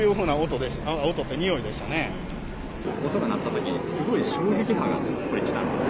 音が鳴ったときに、すごい衝撃波が来たんです。